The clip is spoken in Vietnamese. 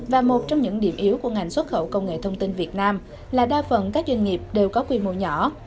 và một trong những điểm yếu của ngành xuất khẩu công nghệ thông tin việt nam là đa phần các doanh nghiệp đều có quy mô nhỏ